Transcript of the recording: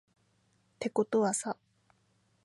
てことはさ